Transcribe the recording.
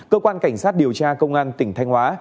cơ quan cảnh sát điều tra công an tỉnh thanh hóa